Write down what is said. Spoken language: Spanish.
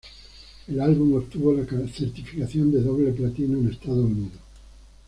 El álbum obtuvo la certificación de doble platino en Estados Unidos.